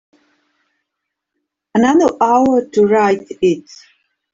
Another hour to write it.